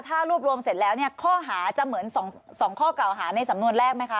ถ้ารวบรวมเสร็จแล้วเนี่ยข้อหาจะเหมือน๒ข้อกล่าวหาในสำนวนแรกไหมคะ